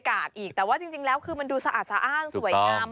คนที่มาขายไก่ย่างต้มผัดไทย